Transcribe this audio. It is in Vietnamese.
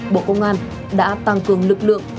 bộ công an đã tăng cường lực lượng